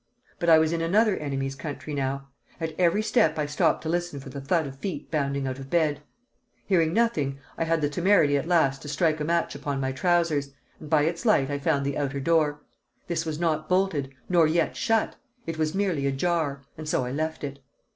But I was in another enemy's country now; at every step I stopped to listen for the thud of feet bounding out of bed. Hearing nothing, I had the temerity at last to strike a match upon my trousers, and by its light I found the outer door. This was not bolted nor yet shut; it was merely ajar, and so I left it.